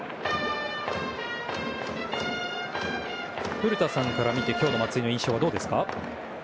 古田さんから見て今日の松井の印象はどうですか？